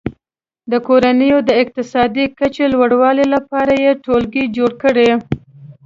د کورنیو د اقتصادي کچې لوړولو لپاره یې ټولګي جوړ کړي.